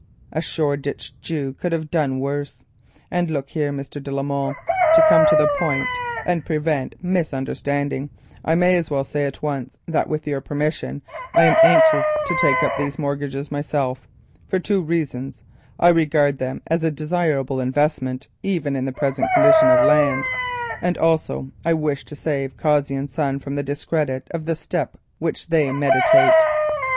A Shoreditch Jew could not have done worse. And look here, Mr. de la Molle, to come to the point and prevent misunderstanding, I may as well say at once that with your permission, I am anxious to take up these mortgages myself, for two reasons; I regard them as a desirable investment even in the present condition of land, and also I wish to save Cossey and Son from the discredit of the step which they meditate."